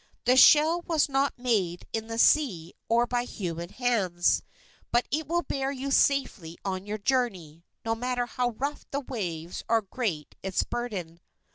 "The shell was not made in the sea or by human hands, but it will bear you safely on your journey, no matter how rough the waves or great its burden."